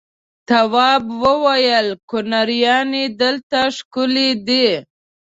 تواب وويل: کنریانې دلته ښکلې دي.